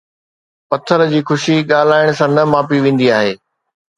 پٿر جي خوشي ڳالھائڻ سان نه ماپي ويندي آهي